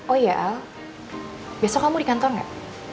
oh iya al besok kamu di kantor nggak